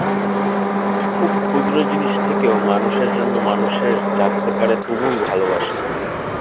খুব ক্ষুদ্র জিনিস থেকেও মানুষের জন্য মানুষের জাগতে পারে তুমুল ভালোবাসা।